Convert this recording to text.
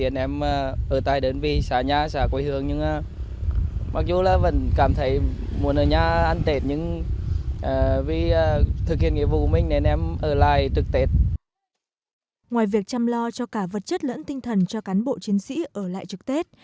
ngoài việc chăm lo cho cả vật chất lẫn tinh thần cho cán bộ chiến sĩ ở lại trực tết